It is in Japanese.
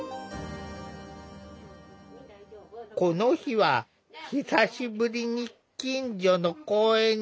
この日は久しぶりに近所の公園にお出かけだ。